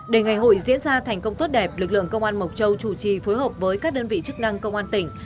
để ngày hội diễn ra thành công tốt đẹp lực lượng công an mộc châu chủ trì phối hợp với các đơn vị chức năng công an tỉnh